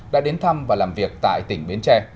đã đến thăm và làm việc tại tỉnh bến tre